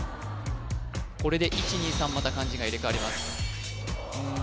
これで１２３また漢字が入れ替わります